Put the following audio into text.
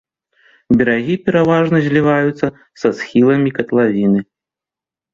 Берагі пераважна зліваюцца са схіламі катлавіны.